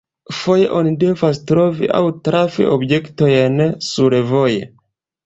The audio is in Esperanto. Foje oni devas trovi aŭ trafi objektojn survoje.